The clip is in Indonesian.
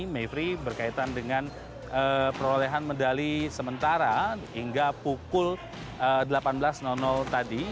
mevri berkaitan dengan perolehan medali sementara hingga pukul delapan belas tadi